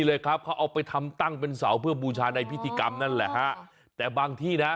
แล้วเค้าเอาไปทำอะไร